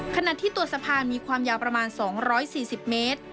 ขณะที่ตัวสะพานมีความยาวประมาณ๒๔๐เมตร